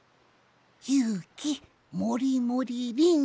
「ゆうきもりもりりん」じゃ。